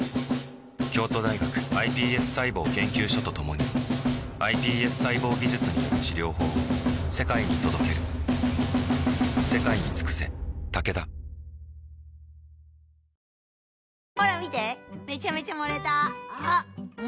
京都大学ｉＰＳ細胞研究所と共にｉＰＳ細胞技術による治療法を世界に届ける私の絵アップしました